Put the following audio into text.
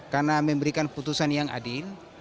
karena memberikan putusan yang adil